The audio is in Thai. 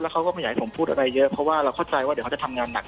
เขาก็ไม่อยากให้ผมพูดอะไรเยอะเพราะว่าเราเข้าใจว่าเดี๋ยวเขาจะทำงานหนัก